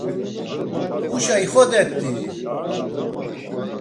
Huşa ixodet̆ii!